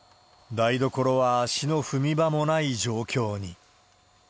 台所は足の踏み場もない状況に。